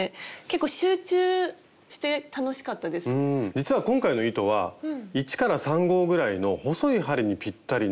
実は今回の糸は１３号ぐらいの細い針にぴったりな糸なんですよ。